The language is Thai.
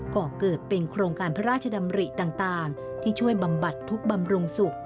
ก่อเกิดเป็นโครงการพระราชดำริต่างที่ช่วยบำบัดทุกข์บำรุงสุข